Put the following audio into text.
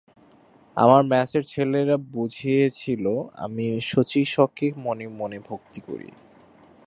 আমার মেসের ছেলেরা বুঝিয়াছিল, আমি শচীশকে মনে মনে ভক্তি করি।